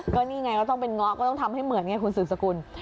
ก็นี่ไงก็ต้องเป็นเงาะก็ต้องทำให้เหมือนไงคุณสืบสกุล